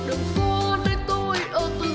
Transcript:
đường phố nơi tôi ở tự nhiên